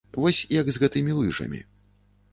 Вось як з гэтымі лыжамі.